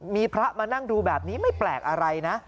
มีพระมานั่งดูแบบนี้ไม่แปลกอะไรนะ